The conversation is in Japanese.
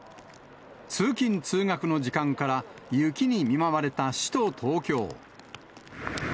通勤・通学の時間から雪に見舞われた首都東京。